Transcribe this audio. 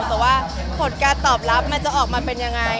แต่ว่าผลการตอบรับมันจะออกมาเป็นยังไง